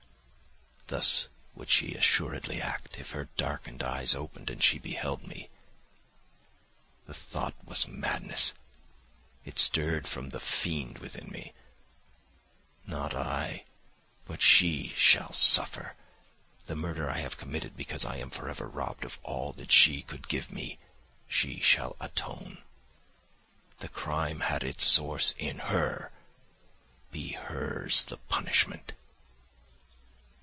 Thus would she assuredly act if her darkened eyes opened and she beheld me. The thought was madness; it stirred the fiend within me—not I, but she, shall suffer; the murder I have committed because I am for ever robbed of all that she could give me, she shall atone. The crime had its source in her; be hers the punishment!